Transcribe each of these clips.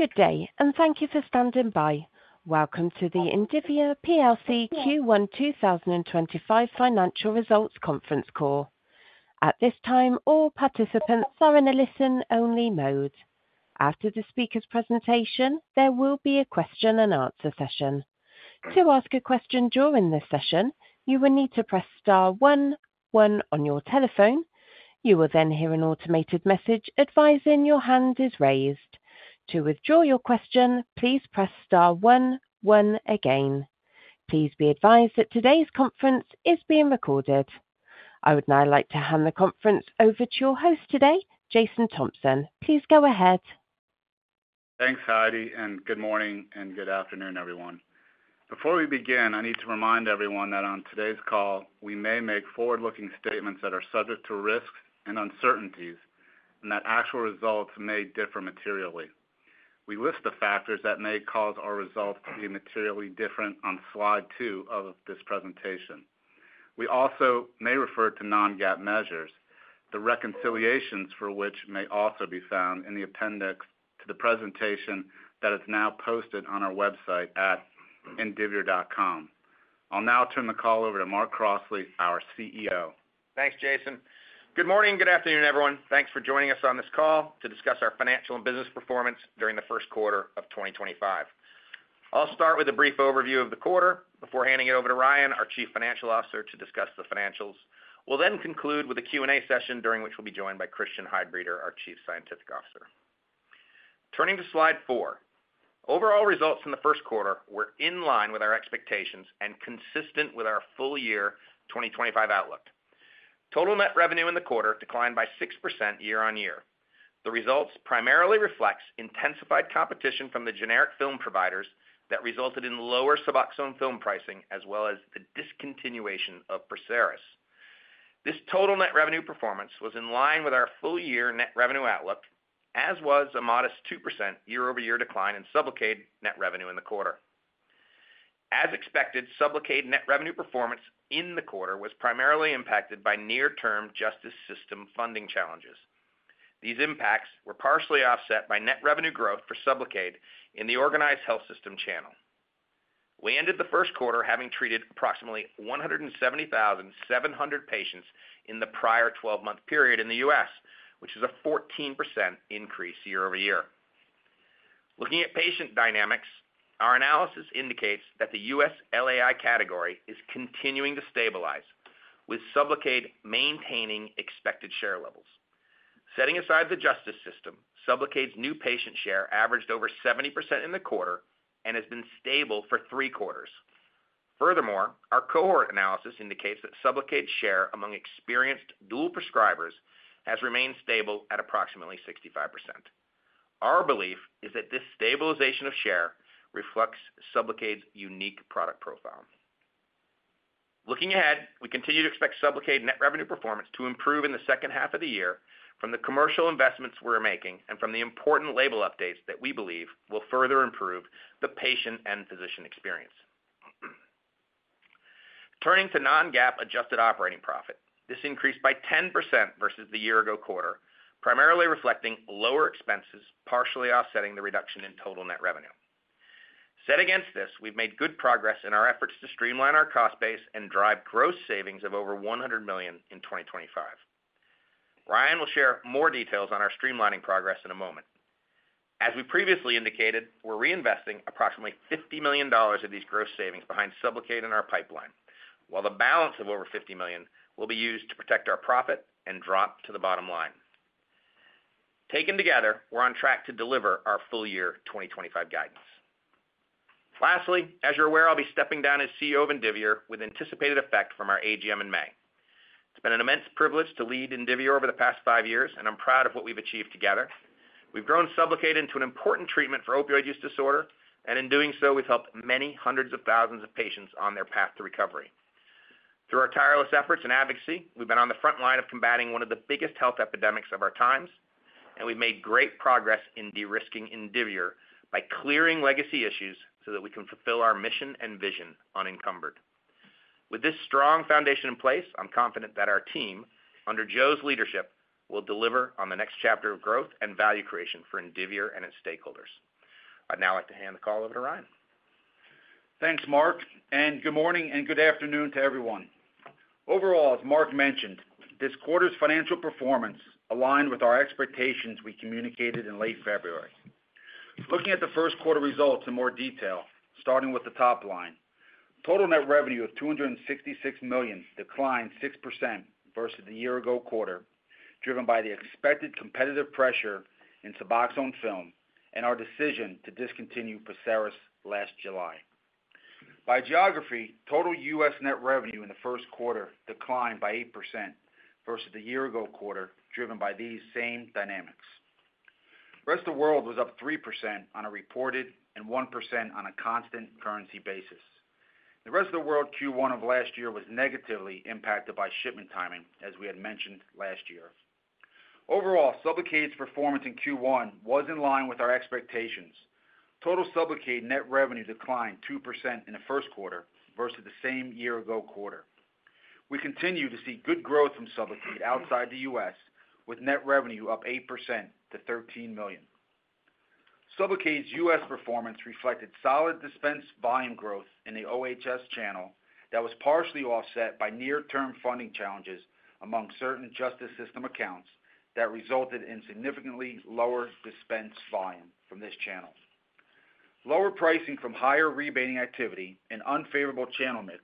Good day, and thank you for standing by. Welcome to the Indivior Q1-2025 Financial Results Conference Call. At this time, all participants are in a listen-only mode. After the speaker's presentation, there will be a question-and-answer session. To ask a question during this session, you will need to press star 1, 1 on your telephone. You will then hear an automated message advising your hand is raised. To withdraw your question, please press star 1, 1 again. Please be advised that today's conference is being recorded. I would now like to hand the conference over to your host today, Jason Thompson. Please go ahead. Thanks, Heidi, and good morning and good afternoon, everyone. Before we begin, I need to remind everyone that on today's call, we may make forward-looking statements that are subject to risks and uncertainties, and that actual results may differ materially. We list the factors that may cause our results to be materially different on slide two of this presentation. We also may refer to non-GAAP measures, the reconciliations for which may also be found in the appendix to the presentation that is now posted on our website at indivior.com. I'll now turn the call over to Mark Crossley, our CEO. Thanks, Jason. Good morning and good afternoon, everyone. Thanks for joining us on this call to discuss our financial and business performance during the first quarter of 2025. I'll start with a brief overview of the quarter before handing it over to Ryan, our Chief Financial Officer, to discuss the financials. We'll then conclude with a Q&A session during which we'll be joined by Christian Heidbreder, our Chief Scientific Officer. Turning to slide four, overall results in the first quarter were in line with our expectations and consistent with our full-year 2025 outlook. Total net revenue in the quarter declined by 6% year on year. The results primarily reflect intensified competition from the generic film providers that resulted in lower Suboxone Film pricing, as well as the discontinuation of PERSERIS. This total net revenue performance was in line with our full-year net revenue outlook, as was a modest 2% year-over-year decline in SUBLOCADE net revenue in the quarter. As expected, SUBLOCADE net revenue performance in the quarter was primarily impacted by near-term justice system funding challenges. These impacts were partially offset by net revenue growth for SUBLOCADE in the organized health system channel. We ended the first quarter having treated approximately 170,700 patients in the prior 12-month period in the U.S., which is a 14% increase year over year. Looking at patient dynamics, our analysis indicates that the U.S. LAI category is continuing to stabilize, with SUBLOCADE maintaining expected share levels. Setting aside the justice system, SUBLOCADE's new patient share averaged over 70% in the quarter and has been stable for three quarters. Furthermore, our cohort analysis indicates that SUBLOCADE's share among experienced dual prescribers has remained stable at approximately 65%. Our belief is that this stabilization of share reflects SUBLOCADE's unique product profile. Looking ahead, we continue to expect SUBLOCADE net revenue performance to improve in the second half of the year from the commercial investments we're making and from the important label updates that we believe will further improve the patient and physician experience. Turning to non-GAAP adjusted operating profit, this increased by 10% versus the year-ago quarter, primarily reflecting lower expenses, partially offsetting the reduction in total net revenue. Set against this, we've made good progress in our efforts to streamline our cost base and drive gross savings of over $100 million in 2025. Ryan will share more details on our streamlining progress in a moment. As we previously indicated, we're reinvesting approximately $50 million of these gross savings behind SUBLOCADE in our pipeline, while the balance of over $50 million will be used to protect our profit and drop to the bottom line. Taken together, we're on track to deliver our full-year 2025 guidance. Lastly, as you're aware, I'll be stepping down as CEO of Indivior with anticipated effect from our AGM in May. It's been an immense privilege to lead Indivior over the past five years, and I'm proud of what we've achieved together. We've grown SUBLOCADE into an important treatment for opioid use disorder, and in doing so, we've helped many hundreds of thousands of patients on their path to recovery. Through our tireless efforts and advocacy, we've been on the front line of combating one of the biggest health epidemics of our times, and we've made great progress in de-risking Indivior by clearing legacy issues so that we can fulfill our mission and vision unencumbered. With this strong foundation in place, I'm confident that our team, under Joe's leadership, will deliver on the next chapter of growth and value creation for Indivior and its stakeholders. I'd now like to hand the call over to Ryan. Thanks, Mark, and good morning and good afternoon to everyone. Overall, as Mark mentioned, this quarter's financial performance aligned with our expectations we communicated in late February. Looking at the first quarter results in more detail, starting with the top line, total net revenue of $266 million declined 6% versus the year-ago quarter, driven by the expected competitive pressure in Suboxone Film and our decision to discontinue PERSERIS last July. By geography, total U.S. net revenue in the first quarter declined by 8% versus the year-ago quarter, driven by these same dynamics. The rest of the world was up 3% on a reported and 1% on a constant currency basis. The rest of the world Q1 of last year was negatively impacted by shipment timing, as we had mentioned last year. Overall, SUBLOCADE's performance in Q1 was in line with our expectations. Total SUBLOCADE net revenue declined 2% in the first quarter versus the same year-ago quarter. We continue to see good growth from SUBLOCADE outside the U.S., with net revenue up 8% to $13 million. SUBLOCADE's U.S. performance reflected solid dispense volume growth in the OHS channel that was partially offset by near-term funding challenges among certain justice system accounts that resulted in significantly lower dispense volume from this channel. Lower pricing from higher rebating activity and unfavorable channel mix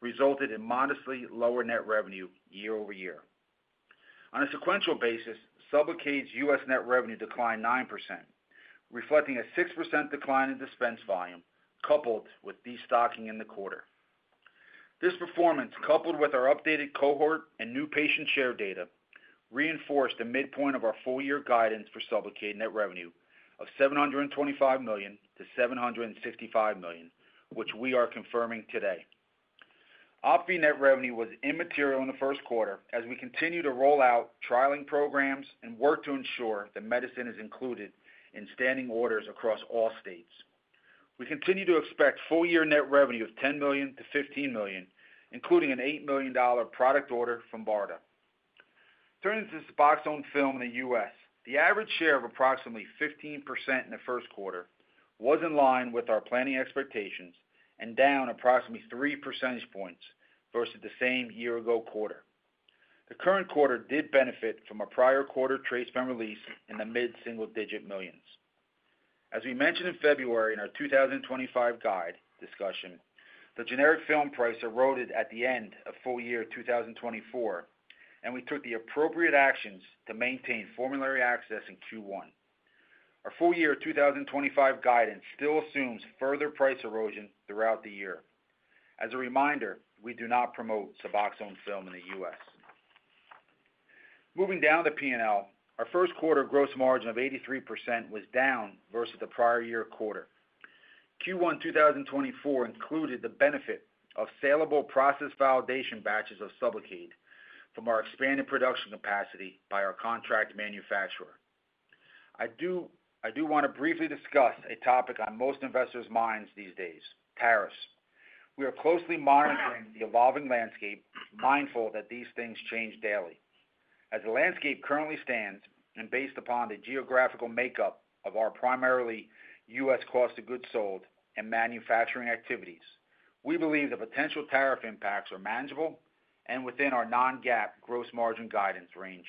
resulted in modestly lower net revenue year over year. On a sequential basis, SUBLOCADE's U.S. net revenue declined 9%, reflecting a 6% decline in dispense volume coupled with destocking in the quarter. This performance, coupled with our updated cohort and new patient share data, reinforced the midpoint of our full-year guidance for SUBLOCADE net revenue of $725 million-$765 million, which we are confirming today. OPVEE net revenue was immaterial in the first quarter as we continue to roll out trialing programs and work to ensure that medicine is included in standing orders across all states. We continue to expect full-year net revenue of $10 million-$15 million, including an $8 million product order from BARDA. Turning to SUBOXONE Film in the U.S., the average share of approximately 15% in the first quarter was in line with our planning expectations and down approximately 3 percentage points versus the same year-ago quarter. The current quarter did benefit from a prior quarter trace-found release in the mid-single-digit millions. As we mentioned in February in our 2025 guide discussion, the generic film price eroded at the end of full-year 2024, and we took the appropriate actions to maintain formulary access in Q1. Our full-year 2025 guidance still assumes further price erosion throughout the year. As a reminder, we do not promote Suboxone Film in the U.S. Moving down to P&L, our first quarter gross margin of 83% was down versus the prior year quarter. Q1 2024 included the benefit of saleable process validation batches of SUBLOCADE from our expanded production capacity by our contract manufacturer. I do want to briefly discuss a topic on most investors' minds these days, tariffs. We are closely monitoring the evolving landscape, mindful that these things change daily. As the landscape currently stands and based upon the geographical makeup of our primarily U.S. cost of goods sold and manufacturing activities, we believe the potential tariff impacts are manageable and within our non-GAAP gross margin guidance range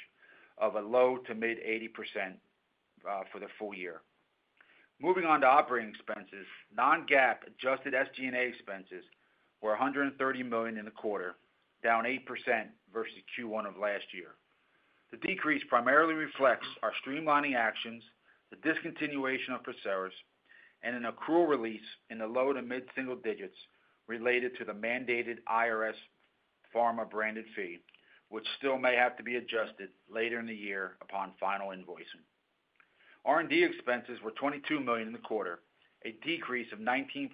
of a low to mid-80% for the full year. Moving on to operating expenses, non-GAAP adjusted SG&A expenses were $130 million in the quarter, down 8% versus Q1 of last year. The decrease primarily reflects our streamlining actions, the discontinuation of PERSERIS, and an accrual release in the low to mid-single digits related to the mandated IRS pharma-branded fee, which still may have to be adjusted later in the year upon final invoicing. R&D expenses were $22 million in the quarter, a decrease of 19%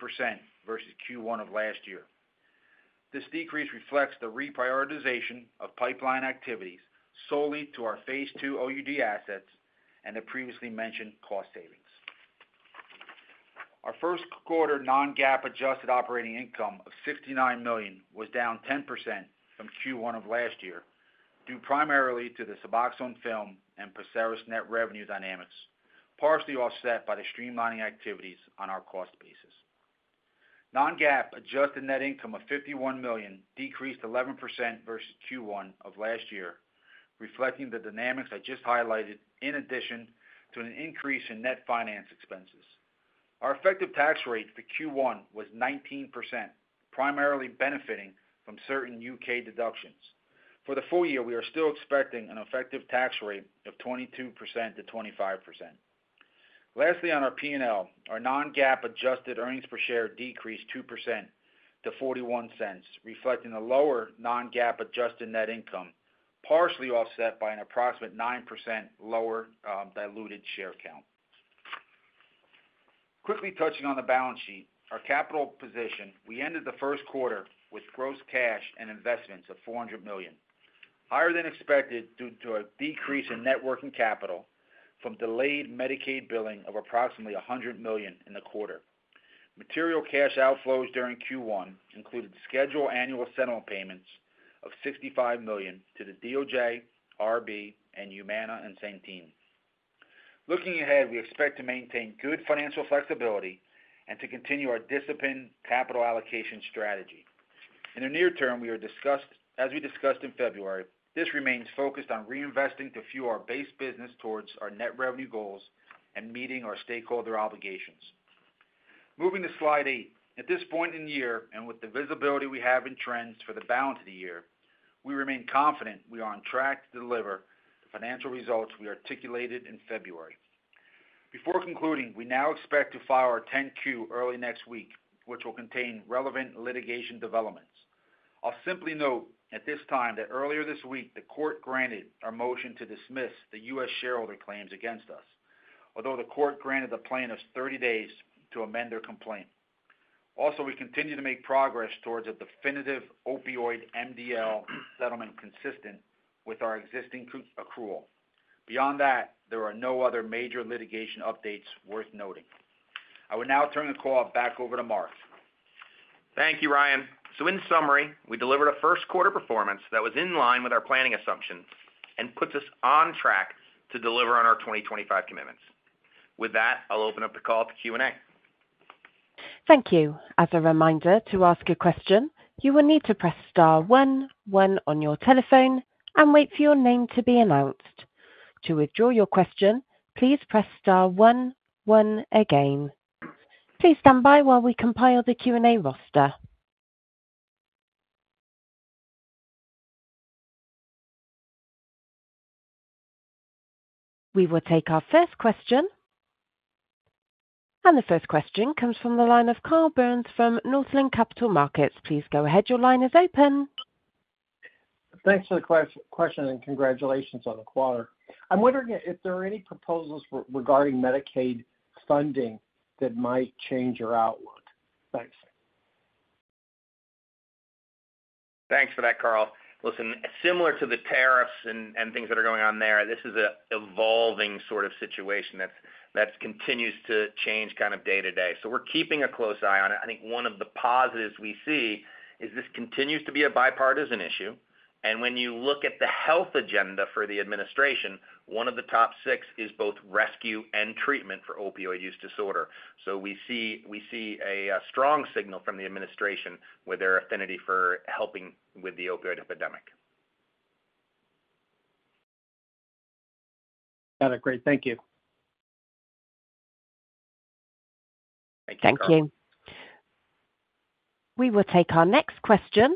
versus Q1 of last year. This decrease reflects the reprioritization of pipeline activities solely to our Phase II OUD assets and the previously mentioned cost savings. Our first quarter non-GAAP adjusted operating income of $69 million was down 10% from Q1 of last year due primarily to the Suboxone Film and PERSERIS net revenue dynamics, partially offset by the streamlining activities on our cost basis. Non-GAAP adjusted net income of $51 million decreased 11% versus Q1 of last year, reflecting the dynamics I just highlighted in addition to an increase in net finance expenses. Our effective tax rate for Q1 was 19%, primarily benefiting from certain U.K. deductions. For the full year, we are still expecting an effective tax rate of 22%-25%. Lastly, on our P&L, our non-GAAP adjusted earnings per share decreased 2% to $0.41, reflecting a lower non-GAAP adjusted net income, partially offset by an approximate 9% lower diluted share count. Quickly touching on the balance sheet, our capital position, we ended the first quarter with gross cash and investments of $400 million, higher than expected due to a decrease in net working capital from delayed Medicaid billing of approximately $100 million in the quarter. Material cash outflows during Q1 included scheduled annual settlement payments of $65 million to the DOJ, RB, Humana, and Sanofi. Looking ahead, we expect to maintain good financial flexibility and to continue our disciplined capital allocation strategy. In the near term, as we discussed in February, this remains focused on reinvesting to fuel our base business towards our net revenue goals and meeting our stakeholder obligations. Moving to slide eight, at this point in the year and with the visibility we have in trends for the balance of the year, we remain confident we are on track to deliver the financial results we articulated in February. Before concluding, we now expect to file our 10Q early next week, which will contain relevant litigation developments. I'll simply note at this time that earlier this week, the court granted our motion to dismiss the U.S. shareholder claims against us, although the court granted the plaintiffs 30 days to amend their complaint. Also, we continue to make progress towards a definitive opioid MDL settlement consistent with our existing accrual. Beyond that, there are no other major litigation updates worth noting. I will now turn the call back over to Mark. Thank you, Ryan. In summary, we delivered a first-quarter performance that was in line with our planning assumptions and puts us on track to deliver on our 2025 commitments. With that, I'll open up the call to Q&A. Thank you. As a reminder, to ask a question, you will need to press star 1, 1 on your telephone, and wait for your name to be announced. To withdraw your question, please press star 1, 1 again. Please stand by while we compile the Q&A roster. We will take our first question. The first question comes from the line of Carl Byrnes from Northland Capital Markets. Please go ahead. Your line is open. Thanks for the question and congratulations on the quarter. I'm wondering if there are any proposals regarding Medicaid funding that might change your outlook. Thanks. Thanks for that, Carl. Listen, similar to the tariffs and things that are going on there, this is an evolving sort of situation that continues to change kind of day to day. We are keeping a close eye on it. I think one of the positives we see is this continues to be a bipartisan issue. When you look at the health agenda for the administration, one of the top six is both rescue and treatment for opioid use disorder. We see a strong signal from the administration with their affinity for helping with the opioid epidemic. Got it. Great. Thank you. Thank you, Carl. Thank you. We will take our next question.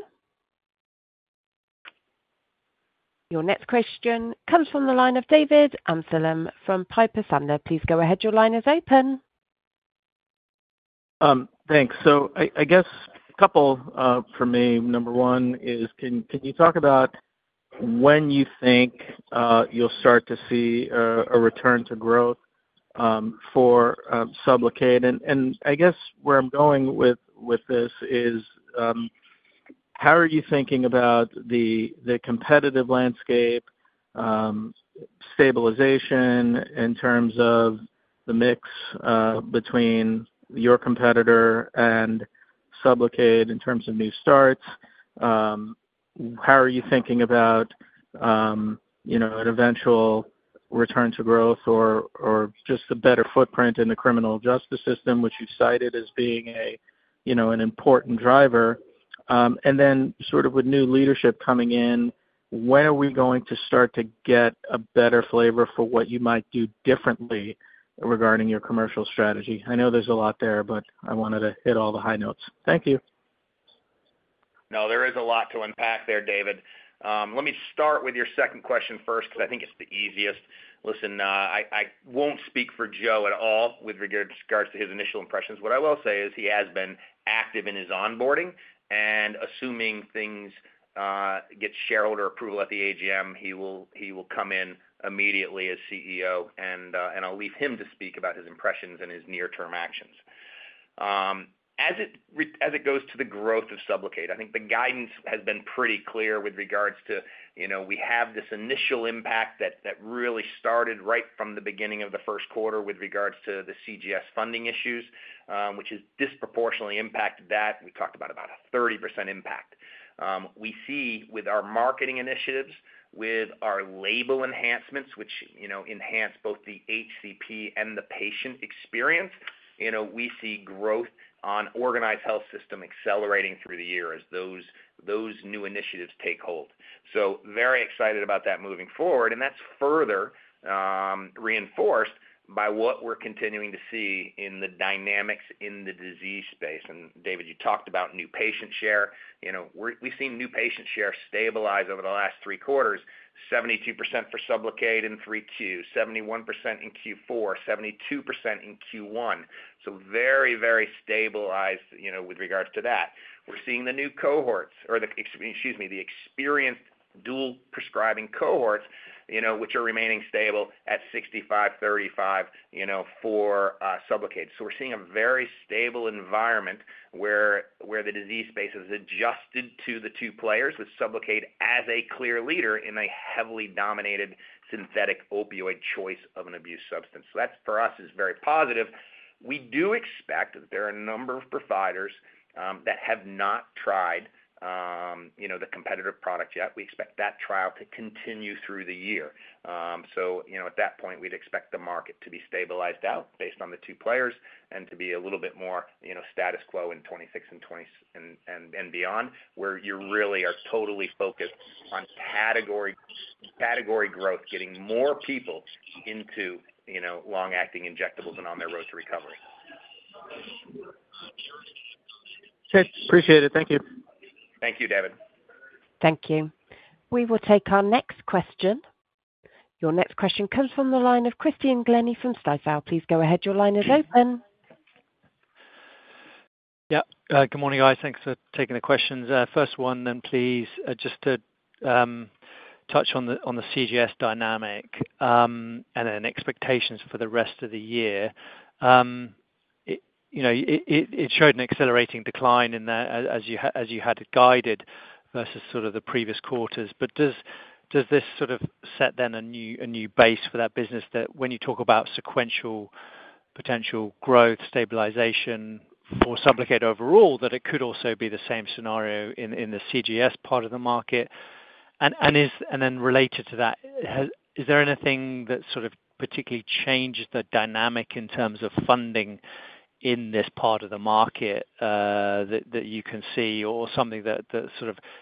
Your next question comes from the line of David Amsellem from Piper Sandler. Please go ahead. Your line is open. Thanks. I guess a couple for me. Number one is, can you talk about when you think you'll start to see a return to growth for SUBLOCADE? I guess where I'm going with this is, how are you thinking about the competitive landscape, stabilization in terms of the mix between your competitor and SUBLOCADE in terms of new starts? How are you thinking about an eventual return to growth or just a better footprint in the criminal justice system, which you cited as being an important driver? With new leadership coming in, when are we going to start to get a better flavor for what you might do differently regarding your commercial strategy? I know there's a lot there, but I wanted to hit all the high notes. Thank you. No, there is a lot to unpack there, David. Let me start with your second question first because I think it's the easiest. Listen, I won't speak for Joe at all with regards to his initial impressions. What I will say is he has been active in his onboarding, and assuming things get shareholder approval at the AGM, he will come in immediately as CEO, and I'll leave him to speak about his impressions and his near-term actions. As it goes to the growth of SUBLOCADE, I think the guidance has been pretty clear with regards to we have this initial impact that really started right from the beginning of the first quarter with regards to the CJS funding issues, which has disproportionately impacted that. We talked about a 30% impact. We see with our marketing initiatives, with our label enhancements, which enhance both the HCP and the patient experience, we see growth on organized health system accelerating through the year as those new initiatives take hold. Very excited about that moving forward, and that is further reinforced by what we are continuing to see in the dynamics in the disease space. David, you talked about new patient share. We have seen new patient share stabilize over the last three quarters: 72% for SUBLOCADE in 3Q, 71% in Q4, 72% in Q1. Very, very stabilized with regards to that. We are seeing the new cohorts or, excuse me, the experienced dual prescribing cohorts, which are remaining stable at 65, 35 for SUBLOCADE. We're seeing a very stable environment where the disease space has adjusted to the two players with SUBLOCADE as a clear leader in a heavily dominated synthetic opioid choice of an abuse substance. That for us is very positive. We do expect that there are a number of providers that have not tried the competitive product yet. We expect that trial to continue through the year. At that point, we'd expect the market to be stabilized out based on the two players and to be a little bit more status quo in 2026 and 2027 and beyond, where you really are totally focused on category growth, getting more people into long-acting injectables and on their road to recovery. Okay. Appreciate it. Thank you. Thank you, David. Thank you. We will take our next question. Your next question comes from the line of Christian Glennie from Stifel. Please go ahead. Your line is open. Yep. Good morning, guys. Thanks for taking the questions. First one, then please just to touch on the CGS dynamic and then expectations for the rest of the year. It showed an accelerating decline in that as you had it guided versus sort of the previous quarters. Does this sort of set a new base for that business that when you talk about sequential potential growth, stabilization for SUBLOCADE overall, it could also be the same scenario in the CGS part of the market? Related to that, is there anything that particularly changed the dynamic in terms of funding in this part of the market that you can see or something that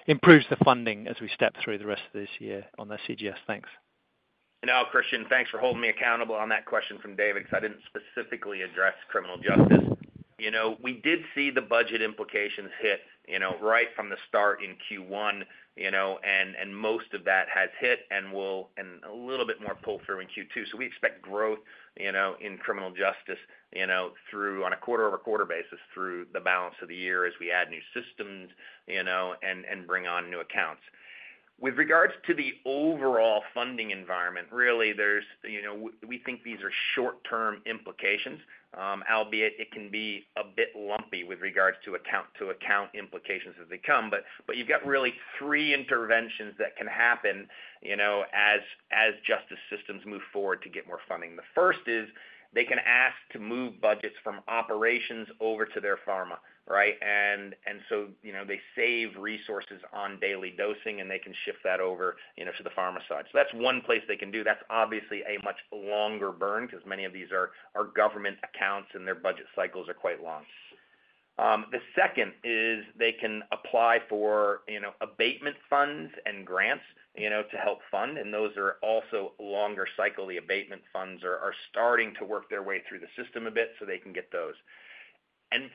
improves the funding as we step through the rest of this year on the CGS? Thanks. Now, Christian, thanks for holding me accountable on that question from David because I did not specifically address criminal justice. We did see the budget implications hit right from the start in Q1, and most of that has hit and will and a little bit more pull through in Q2. We expect growth in criminal justice on a quarter-over-quarter basis through the balance of the year as we add new systems and bring on new accounts. With regards to the overall funding environment, really, we think these are short-term implications, albeit it can be a bit lumpy with regards to account-to-account implications as they come. You have really three interventions that can happen as justice systems move forward to get more funding. The first is they can ask to move budgets from operations over to their pharma, right? They save resources on daily dosing, and they can shift that over to the pharma side. That is one place they can do. That is obviously a much longer burn because many of these are government accounts and their budget cycles are quite long. The second is they can apply for abatement funds and grants to help fund, and those are also longer cycle. The abatement funds are starting to work their way through the system a bit so they can get those.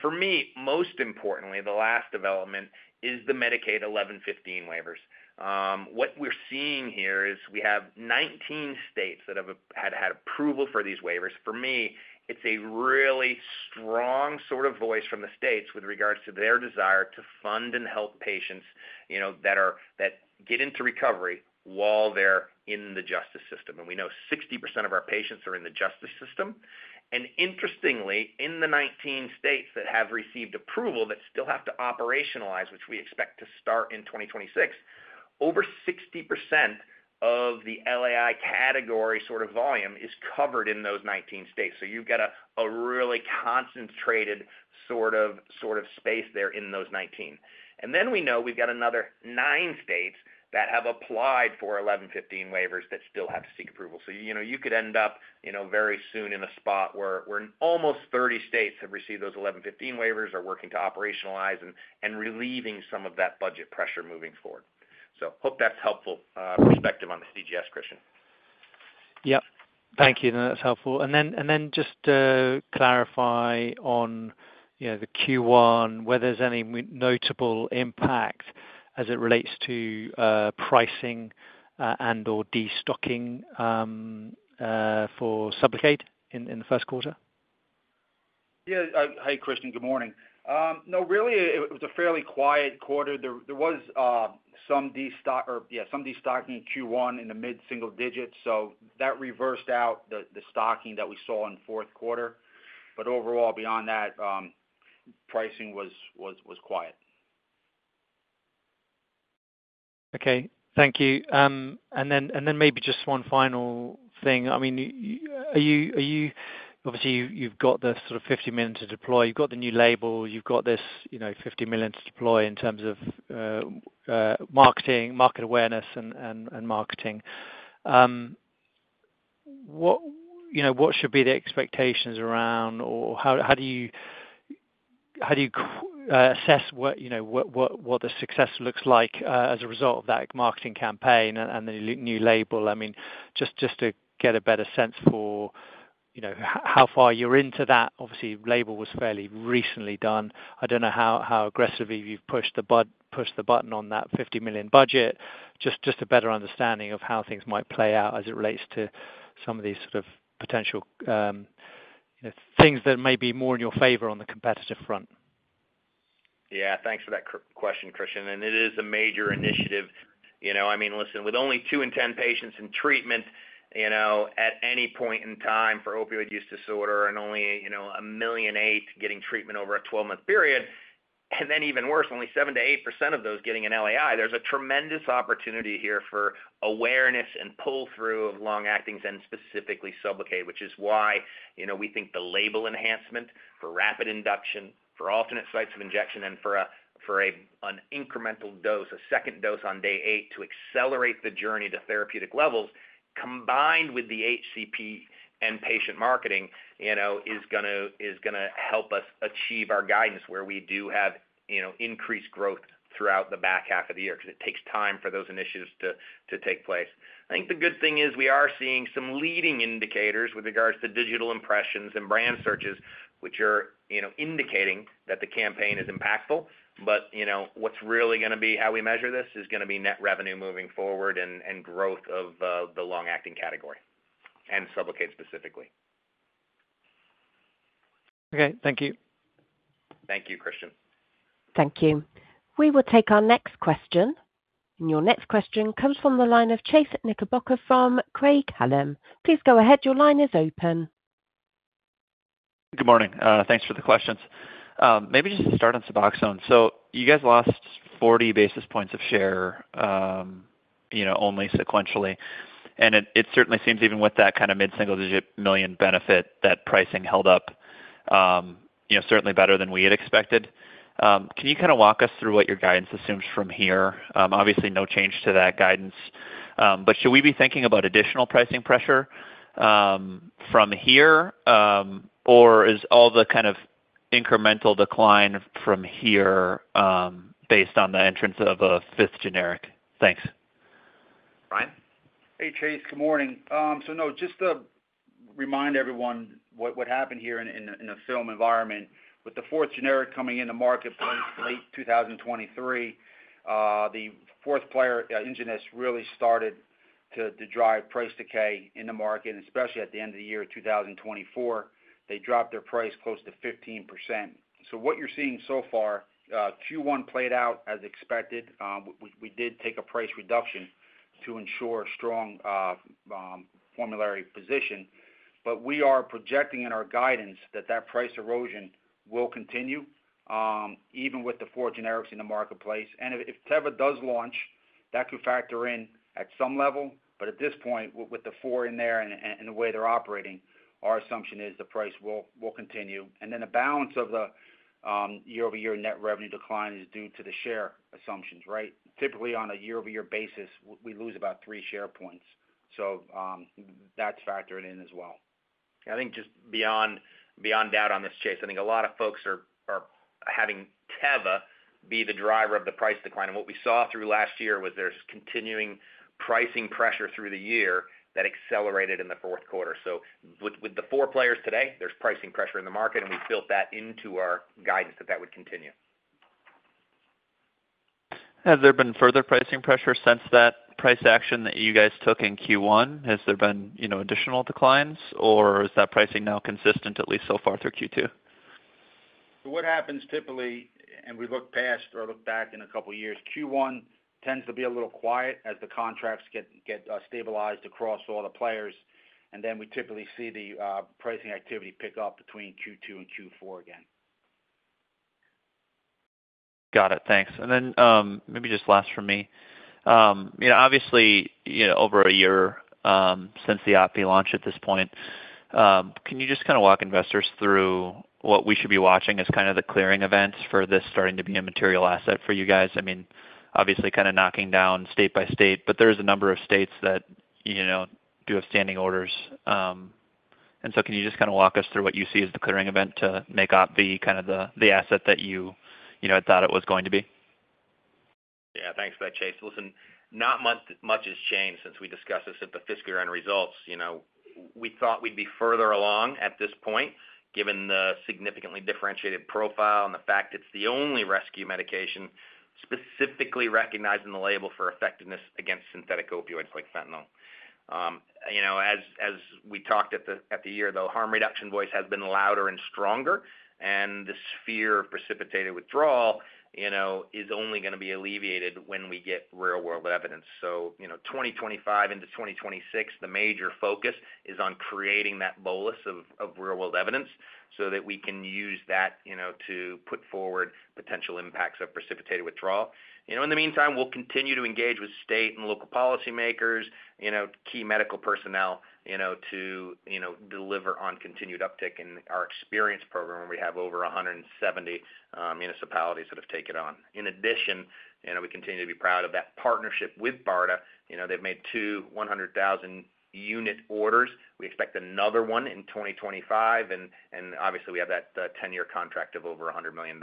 For me, most importantly, the last development is the Medicaid 1115 waivers. What we are seeing here is we have 19 states that have had approval for these waivers. For me, it is a really strong sort of voice from the states with regards to their desire to fund and help patients that get into recovery while they are in the justice system. We know 60% of our patients are in the justice system. Interestingly, in the 19 states that have received approval that still have to operationalize, which we expect to start in 2026, over 60% of the LAI category sort of volume is covered in those 19 states. You have a really concentrated sort of space there in those 19. We know we have another nine states that have applied for 1115 waivers that still have to seek approval. You could end up very soon in a spot where almost 30 states have received those 1115 waivers, are working to operationalize, and relieving some of that budget pressure moving forward. Hope that's helpful perspective on the CGS, Christian. Yep. Thank you. That's helpful. Just to clarify on the Q1, whether there's any notable impact as it relates to pricing and/or destocking for SUBLOCADE in the first quarter? Yeah. Hey, Christian. Good morning. No, really, it was a fairly quiet quarter. There was some destocking in Q1 in the mid-single digits, so that reversed out the stocking that we saw in fourth quarter. Overall, beyond that, pricing was quiet. Okay. Thank you. Maybe just one final thing. I mean, obviously, you've got the sort of $50 million to deploy. You've got the new label. You've got this $50 million to deploy in terms of marketing, market awareness, and marketing. What should be the expectations around, or how do you assess what the success looks like as a result of that marketing campaign and the new label? I mean, just to get a better sense for how far you're into that. Obviously, label was fairly recently done. I don't know how aggressively you've pushed the button on that $50 million budget, just a better understanding of how things might play out as it relates to some of these sort of potential things that may be more in your favor on the competitive front. Yeah. Thanks for that question, Christian. It is a major initiative. I mean, listen, with only 2 in 10 patients in treatment at any point in time for opioid use disorder and only a million eight getting treatment over a 12-month period, and then even worse, only 7%-8% of those getting an LAI, there's a tremendous opportunity here for awareness and pull-through of long-actings and specifically SUBLOCADE, which is why we think the label enhancement for rapid induction, for alternate sites of injection, and for an incremental dose, a second dose on day eight to accelerate the journey to therapeutic levels, combined with the HCP and patient marketing, is going to help us achieve our guidance where we do have increased growth throughout the back half of the year because it takes time for those initiatives to take place. I think the good thing is we are seeing some leading indicators with regards to digital impressions and brand searches, which are indicating that the campaign is impactful. What is really going to be how we measure this is going to be net revenue moving forward and growth of the long-acting category and SUBLOCADE specifically. Okay. Thank you. Thank you, Christian. Thank you. We will take our next question. Your next question comes from the line of Chase Knickerbocker from Craig-Hallum. Please go ahead. Your line is open. Good morning. Thanks for the questions. Maybe just to start on Suboxone. You guys lost 40 basis points of share only sequentially. It certainly seems, even with that kind of mid-single digit million benefit, that pricing held up certainly better than we had expected. Can you kind of walk us through what your guidance assumes from here? Obviously, no change to that guidance. Should we be thinking about additional pricing pressure from here, or is all the kind of incremental decline from here based on the entrance of a fifth generic? Thanks. Ryan? Hey, Chase. Good morning. No, just to remind everyone what happened here in the film environment, with the fourth generic coming into market late 2023, the fourth player Ingenus really started to drive price decay in the market, and especially at the end of the year 2024, they dropped their price close to 15%. What you're seeing so far, Q1 played out as expected. We did take a price reduction to ensure a strong formulary position. We are projecting in our guidance that that price erosion will continue even with the four generics in the marketplace. If Teva does launch, that could factor in at some level. At this point, with the four in there and the way they're operating, our assumption is the price will continue. The balance of the year-over-year net revenue decline is due to the share assumptions, right? Typically, on a year-over-year basis, we lose about three share points. That is factored in as well. I think just beyond doubt on this, Chase, I think a lot of folks are having Teva be the driver of the price decline. What we saw through last year was there's continuing pricing pressure through the year that accelerated in the fourth quarter. With the four players today, there's pricing pressure in the market, and we've built that into our guidance that that would continue. Has there been further pricing pressure since that price action that you guys took in Q1? Has there been additional declines, or is that pricing now consistent, at least so far, through Q2? What happens typically, and we look past or look back in a couple of years, Q1 tends to be a little quiet as the contracts get stabilized across all the players. Then we typically see the pricing activity pick up between Q2 and Q4 again. Got it. Thanks. Maybe just last for me. Obviously, over a year since the OPVEE launch at this point, can you just kind of walk investors through what we should be watching as kind of the clearing events for this starting to be a material asset for you guys? I mean, obviously, kind of knocking down state by state, but there are a number of states that do have standing orders. Can you just kind of walk us through what you see as the clearing event to make OPVEE kind of the asset that you had thought it was going to be? Yeah. Thanks for that, Chase. Listen, not much has changed since we discussed this at the fiscal year end results. We thought we'd be further along at this point, given the significantly differentiated profile and the fact it's the only rescue medication specifically recognized in the label for effectiveness against synthetic opioids like fentanyl. As we talked at the year, though, harm reduction voice has been louder and stronger, and the sphere of precipitated withdrawal is only going to be alleviated when we get real-world evidence. 2025 into 2026, the major focus is on creating that bolus of real-world evidence so that we can use that to put forward potential impacts of precipitated withdrawal. In the meantime, we'll continue to engage with state and local policymakers, key medical personnel to deliver on continued uptick in our experience program where we have over 170 municipalities that have taken it on. In addition, we continue to be proud of that partnership with BARDA. They've made two 100,000-unit orders. We expect another one in 2025. We have that 10-year contract of over $100 million.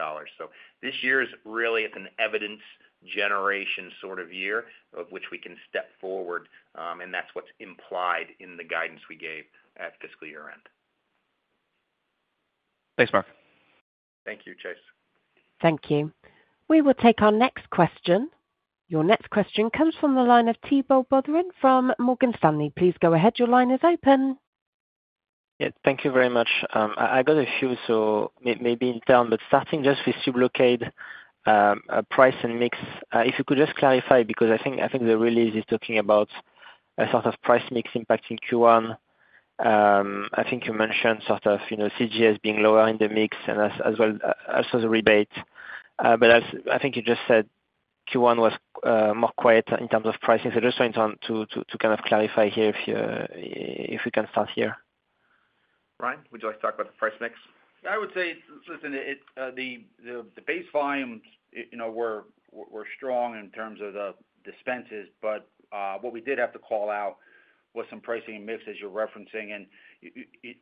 This year is really an evidence generation sort of year of which we can step forward, and that's what's implied in the guidance we gave at fiscal year end. Thanks, Mark. Thank you, Chase. Thank you. We will take our next question. Your next question comes from the line of Thibault Boutherin from Morgan Stanley. Please go ahead. Your line is open. Yeah. Thank you very much. I got a few, so maybe in turn, but starting just with SUBLOCADE price and mix, if you could just clarify because I think the release is talking about a sort of price mix impacting Q1. I think you mentioned sort of CGS being lower in the mix and as well as the rebate. I think you just said Q1 was more quiet in terms of pricing. Just wanted to kind of clarify here if you can start here. Ryan, would you like to talk about the price mix? Yeah. I would say, listen, the base volumes were strong in terms of the dispenses, but what we did have to call out was some pricing mix as you're referencing.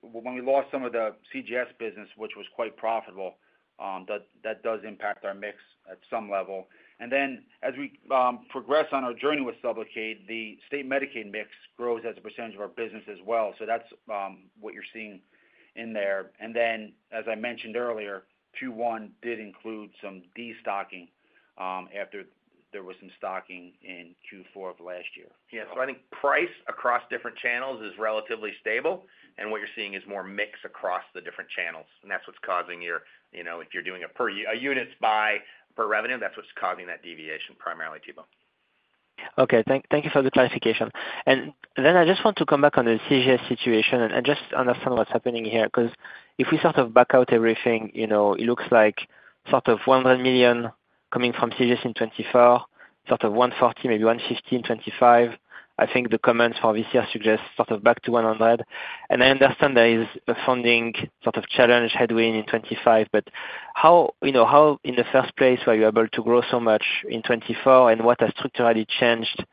When we lost some of the CGS business, which was quite profitable, that does impact our mix at some level. As we progress on our journey with SUBLOCADE, the state Medicaid mix grows as a percentage of our business as well. That is what you're seeing in there. As I mentioned earlier, Q1 did include some destocking after there was some stocking in Q4 of last year. Yeah. I think price across different channels is relatively stable, and what you're seeing is more mix across the different channels. That is what's causing your if you're doing a unit's buy per revenue, that's what's causing that deviation primarily, Thibault. Okay. Thank you for the clarification. I just want to come back on the CGS situation and just understand what's happening here because if we sort of back out everything, it looks like sort of $100 million coming from CGS in 2024, sort of $140 million, maybe $150 million in 2025. I think the comments for this year suggest sort of back to $100 million. I understand there is a funding sort of challenge headwind in 2025, but how in the first place were you able to grow so much in 2024, and what has structurally changed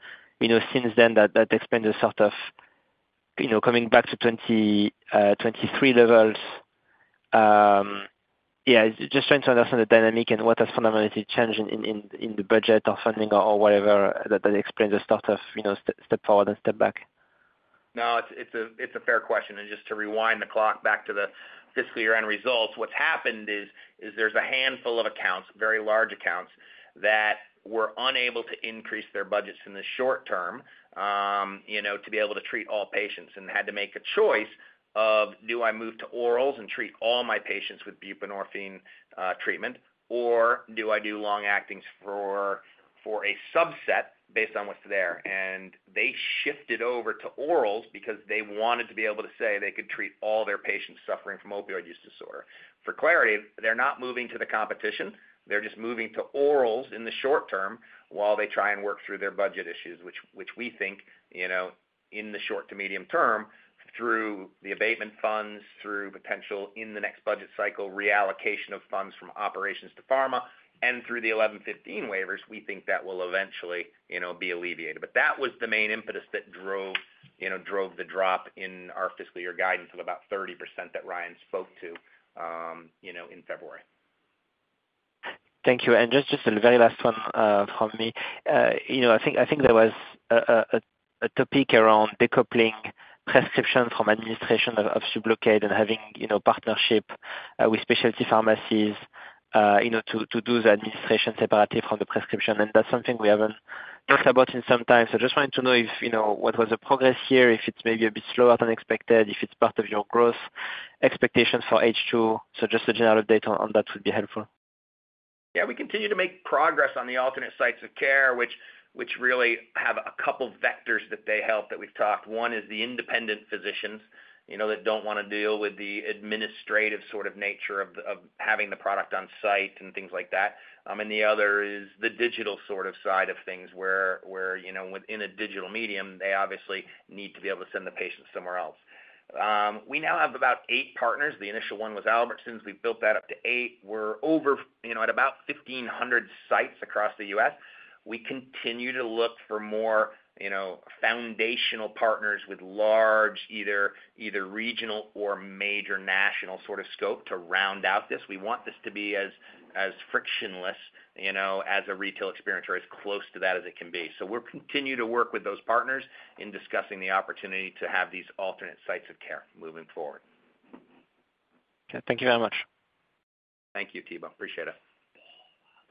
since then that explains the sort of coming back to 2023 levels? Yeah. Just trying to understand the dynamic and what has fundamentally changed in the budget or funding or whatever that explains the sort of step forward and step back. No, it's a fair question. Just to rewind the clock back to the fiscal year end results, what's happened is there's a handful of accounts, very large accounts, that were unable to increase their budgets in the short term to be able to treat all patients and had to make a choice of, "Do I move to orals and treat all my patients with buprenorphine treatment, or do I do long-actings for a subset based on what's there?" They shifted over to orals because they wanted to be able to say they could treat all their patients suffering from opioid use disorder. For clarity, they're not moving to the competition. They're just moving to orals in the short term while they try and work through their budget issues, which we think in the short to medium term through the abatement funds, through potential in the next budget cycle reallocation of funds from operations to pharma, and through the 1115 waivers, we think that will eventually be alleviated. That was the main impetus that drove the drop in our fiscal year guidance of about 30% that Ryan spoke to in February. Thank you. Just the very last one from me. I think there was a topic around decoupling prescription from administration of SUBLOCADE and having partnership with specialty pharmacies to do the administration separately from the prescription. That is something we have not talked about in some time. I just wanted to know what was the progress here, if it is maybe a bit slower than expected, if it is part of your growth expectations for H2. Just a general update on that would be helpful. Yeah. We continue to make progress on the alternate sites of care, which really have a couple of vectors that they help that we've talked. One is the independent physicians that don't want to deal with the administrative sort of nature of having the product on site and things like that. The other is the digital sort of side of things where within a digital medium, they obviously need to be able to send the patient somewhere else. We now have about eight partners. The initial one was Albertsons. We've built that up to eight. We're over at about 1,500 sites across the U.S. We continue to look for more foundational partners with large either regional or major national sort of scope to round out this. We want this to be as frictionless as a retail experience or as close to that as it can be. We will continue to work with those partners in discussing the opportunity to have these alternate sites of care moving forward. Okay. Thank you very much. Thank you, Thibault. Appreciate it.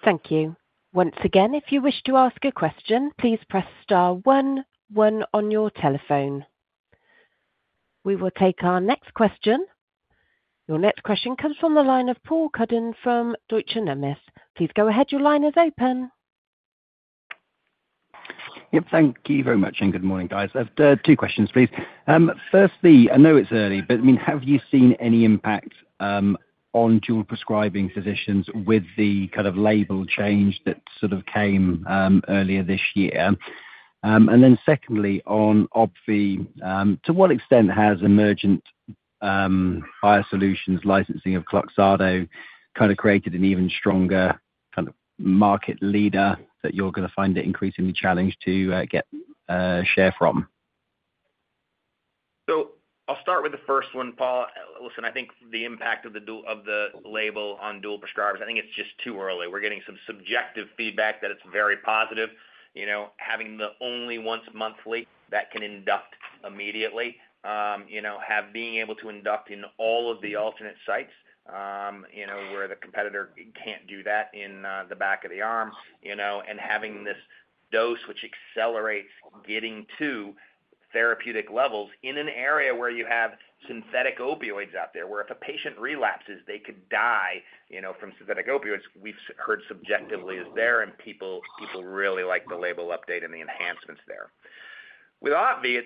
Thank you. Once again, if you wish to ask a question, please press star 1, 1 on your telephone. We will take our next question. Your next question comes from the line of Paul Cuddon from Deutsche Numis. Please go ahead. Your line is open. Yep. Thank you very much. Good morning, guys. I have two questions, please. Firstly, I know it's early, but I mean, have you seen any impact on dual prescribing physicians with the kind of label change that sort of came earlier this year? Secondly, on OPVEE, to what extent has Emergent BioSolutions licensing of Kloxxado kind of created an even stronger kind of market leader that you're going to find it increasingly challenged to get share from? I'll start with the first one, Paul. Listen, I think the impact of the label on dual prescribers, I think it's just too early. We're getting some subjective feedback that it's very positive. Having the only once monthly that can induct immediately, being able to induct in all of the alternate sites where the competitor can't do that in the back of the arm, and having this dose which accelerates getting to therapeutic levels in an area where you have synthetic opioids out there where if a patient relapses, they could die from synthetic opioids, we've heard subjectively is there, and people really like the label update and the enhancements there. With OPVEE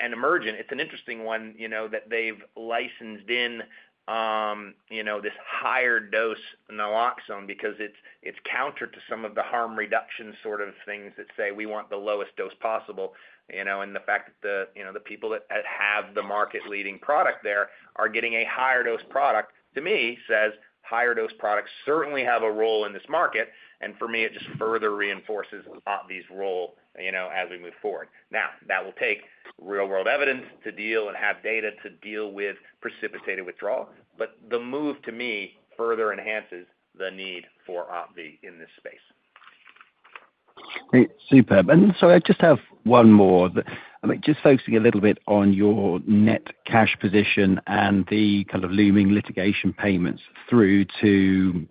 and Emergent, it's an interesting one that they've licensed in this higher dose naloxone because it's counter to some of the harm reduction sort of things that say, "We want the lowest dose possible." The fact that the people that have the market-leading product there are getting a higher dose product, to me, says, "Higher dose products certainly have a role in this market." For me, it just further reinforces OPVEE's role as we move forward. That will take real-world evidence to deal and have data to deal with precipitated withdrawal, but the move to me further enhances the need for OPVEE in this space. Great. Superb. I just have one more. I mean, just focusing a little bit on your net cash position and the kind of looming litigation payments through to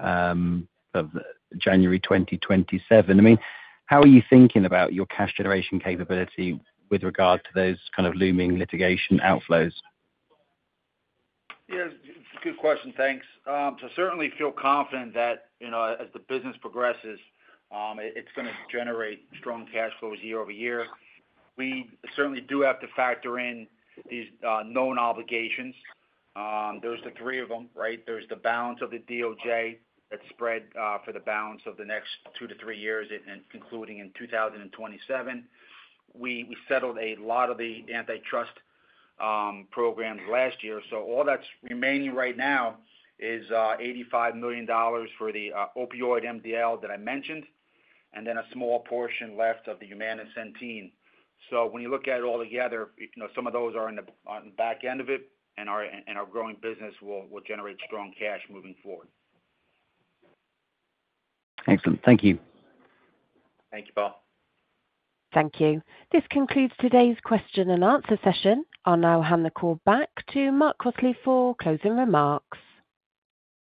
January 2027. I mean, how are you thinking about your cash generation capability with regard to those kind of looming litigation outflows? Yeah. It's a good question. Thanks. Certainly feel confident that as the business progresses, it's going to generate strong cash flows year over year. We certainly do have to factor in these known obligations. There are three of them, right? There's the balance of the DOJ that's spread for the balance of the next two to three years, including in 2027. We settled a lot of the antitrust programs last year. All that's remaining right now is $85 million for the opioid MDL that I mentioned, and then a small portion left of the Humana settlement. When you look at it all together, some of those are in the back end of it, and our growing business will generate strong cash moving forward. Excellent. Thank you. Thank you, Paul. Thank you. This concludes today's question and answer session. I'll now hand the call back to Mark Crossley for closing remarks.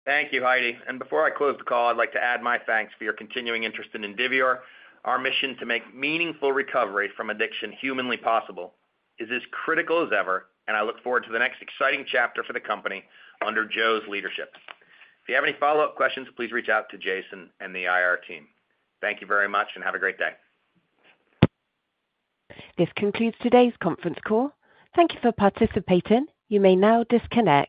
Thank you, Heidi. Before I close the call, I'd like to add my thanks for your continuing interest in Indivior. Our mission to make meaningful recovery from addiction humanly possible is as critical as ever, and I look forward to the next exciting chapter for the company under Joe's leadership. If you have any follow-up questions, please reach out to Jason and the IR team. Thank you very much, and have a great day. This concludes today's conference call. Thank you for participating. You may now disconnect.